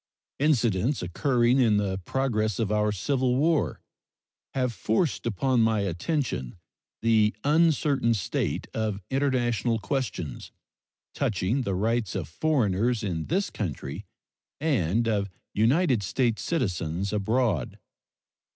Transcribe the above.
Incidents occurring in the progress of our civil war have forced upon my attention the uncertain state of international questions touching the rights of foreigners in this country and of United States citizens abroad.